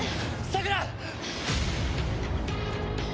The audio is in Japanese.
さくら！